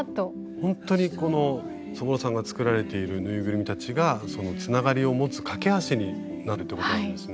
本当にこのそぼろさんが作られているぬいぐるみたちがつながりを持つ懸け橋になるってことなんですね。